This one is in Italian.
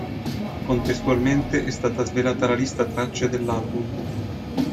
Contestualmente è stata svelata la lista tracce dell'album.